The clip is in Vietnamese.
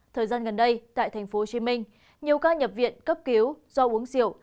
thời gian gần đây tại tp hcm nhiều ca nhập viện cấp cứu do uống rượu